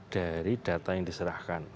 dari data yang diserahkan